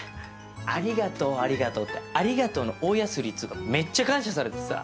「ありがとうありがとう」ってありがとうの大安売りっつうかめっちゃ感謝されてさ。